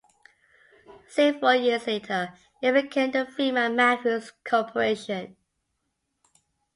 Several years later, it became the Freedman-Mathews Corporation.